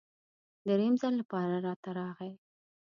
دریم ځل لپاره راته راغی.